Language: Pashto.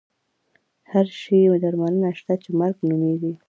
د هر شي درملنه شته چې مرګ نومېږي.